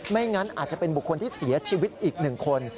งั้นอาจจะเป็นบุคคลที่เสียชีวิตอีก๑คน